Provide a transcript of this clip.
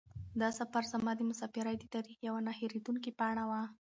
دا سفر زما د مسافرۍ د تاریخ یوه نه هېرېدونکې پاڼه وه.